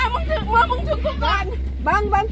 เมื่อมึงชุกกูก่อนนะ